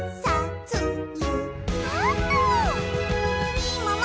「みもも」